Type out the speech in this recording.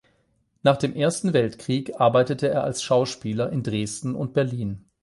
Nach dem Ersten Weltkrieg arbeitete er als Schauspieler in Dresden und Berlin.